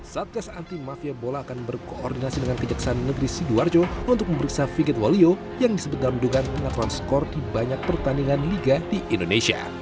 satgas anti mafia bola akan berkoordinasi dengan kejaksaan negeri sidoarjo untuk memeriksa vigit walio yang disebut dalam dugaan pengaturan skor di banyak pertandingan liga di indonesia